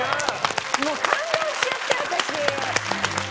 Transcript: もう感動しちゃって私。